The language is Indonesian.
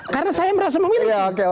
karena saya merasa memiliki